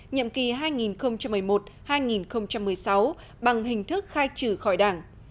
nhiệm kỳ hai nghìn một mươi một hai nghìn một mươi sáu bằng hình thức khai trừ khỏi đảng